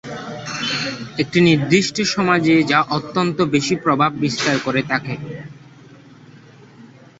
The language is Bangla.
একটি নির্দিষ্ট সমাজে যা অত্যন্ত বেশি প্রভাব বিস্তার করে থাকে।